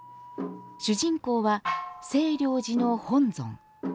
主人公は、清凉寺の本尊。